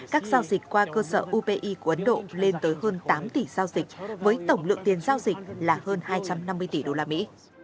các giao dịch qua cơ sở upi của ấn độ lên tới hơn tám tỷ giao dịch với tổng lượng tiền giao dịch là hơn hai trăm năm mươi tỷ đô la mỹ